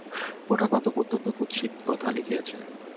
গোটাকতক অত্যন্ত কুৎসিত কথা লিখিয়াছে।